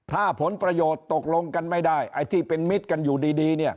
ถ้าผลประโยชน์ตกลงกันไม่ได้ไอ้ที่เป็นมิตรกันอยู่ดี